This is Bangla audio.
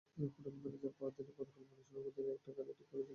হোটেলের ম্যানেজার পরদিনের পরিকল্পনা শুনে আমাদের একটা গাড়ি ঠিক করে দিলেন।